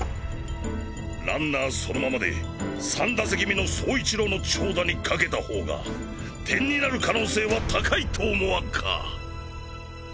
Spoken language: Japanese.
ランナーそのままで３打席目の走一郎の長打にかけたほうが点になる可能性は高いと思わんか。